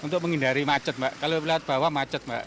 untuk menghindari macet mbak kalau melihat bawah macet mbak